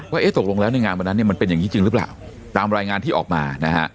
ว่าตกลงแล้วในงานวันนั้นที่มันเป็นแห่งนี้จริงหรือแม่วตามรายงานที่ออกมา